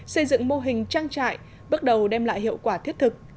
xây dựng mô hình trang trại bước đầu đem lại hiệu quả thiết thực